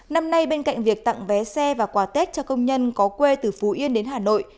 năm nay bên cạnh việc tặng vé xe và quà tết cho công nhân có quê từ phú yên đến hà nội